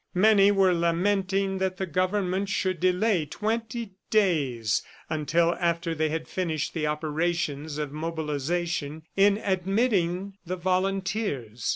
Many were lamenting that the government should delay twenty days, until after they had finished the operations of mobilization, in admitting the volunteers.